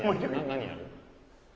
何やる？